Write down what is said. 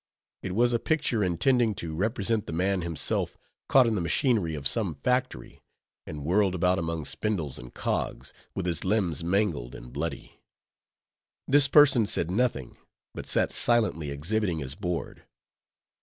It was a picture intending to represent the man himself caught in the machinery of some factory, and whirled about among spindles and cogs, with his limbs mangled and bloody. This person said nothing, but sat silently exhibiting his board.